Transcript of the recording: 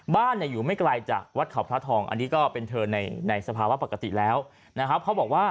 บ้านอยู่ไม่ไกลจากวัดเขาพระทองอันนี้ก็เป็นเธอในสภาวะปกติแล้วนะครับเขาบอกว่า